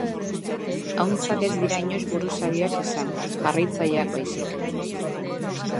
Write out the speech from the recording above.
Ahuntzak ez dira inoiz buruzagiak izango, jarraitzaileak baizik.